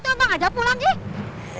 tuh abang ajak pulang deh